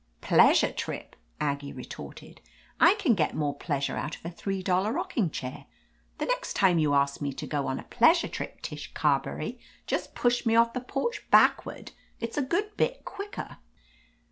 "Pleasure trip !" Aggie retorted. "I can get more pleasure out of a three dollar rocking chair. The next time you ask me to go on a pleasure trip, Tish Carberry, just push me off the porch backward. It's a good bit quicker."